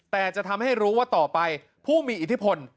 แต่จะทำให้รู้ว่าต่อไปผู้มีอิทธิพล